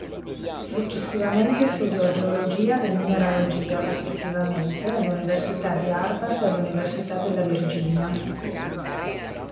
Successivamente studiò geologia e mineralogia, rispettivamente, all'Università di Harvard e all'Università della Virginia.